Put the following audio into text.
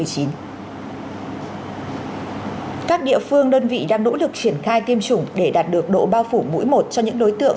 các địa phương đơn vị đang nỗ lực triển khai tiêm chủng để đạt được độ bao phủ mũi một cho những đối tượng